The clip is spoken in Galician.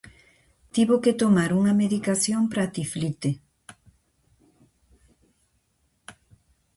Tivo que tomar unha medicación para a tiflite.